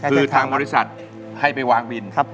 คือทางบริษัทให้ไปวางบิน